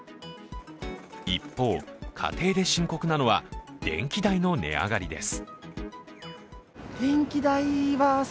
一方、家庭で深刻なのは電気代の値上がりです。